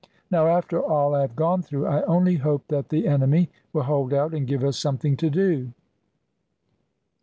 Now after all I have gone through, I only hope that the enemy will hold out and give us something to do."